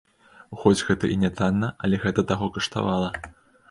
Хоць гэта і нятанна, але гэта таго каштавала.